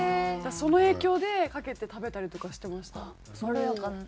だからその影響でかけて食べたりとかしてました。